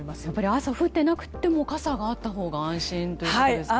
朝、降っていなくても傘があったほうが安心ですかね。